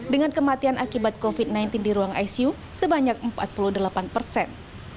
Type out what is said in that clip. dengan kematian akibat covid sembilan belas di ruang icu sebanyak empat puluh delapan persen